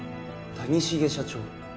谷繁社長？